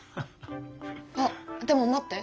あっでも待って！